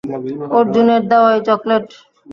অর্জুনের দেওয়া এই চকলেট।